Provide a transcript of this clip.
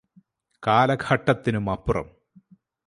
കാലഘട്ടത്തിനുമപ്പുറം